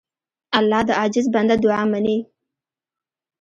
الله د عاجز بنده دعا منې.